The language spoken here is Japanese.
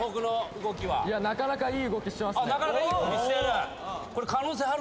なかなかいい動きしてる？